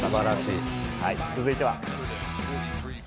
続いては。